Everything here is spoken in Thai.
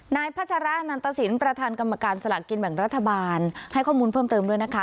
พัชรานันตสินประธานกรรมการสละกินแบ่งรัฐบาลให้ข้อมูลเพิ่มเติมด้วยนะคะ